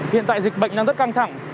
hiện tại dịch bệnh đang rất căng thẳng